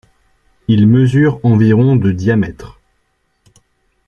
Il mesure environ de diamètre.